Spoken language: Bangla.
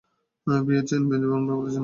বিয়ের চেইন বেঁধে আমরা পালাচ্ছি কেন?